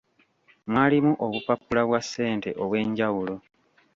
Mwalimu obupapula bwa ssente obw'enjawulo.